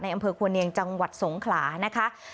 อำเภอควรเนียงจังหวัดสงขลานะคะ